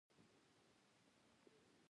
پر تن وه.